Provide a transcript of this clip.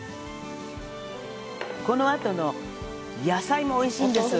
このあとの野菜もおいしいんです！